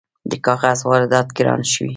د کاغذ واردات ګران شوي؟